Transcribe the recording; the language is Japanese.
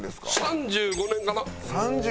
３５年か。